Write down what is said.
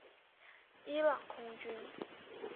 伊朗空军。